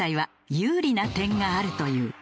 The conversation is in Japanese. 有利な点があるという。